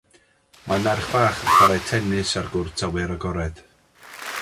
Mae merch fach yn chwarae tennis ar gwrt awyr agored.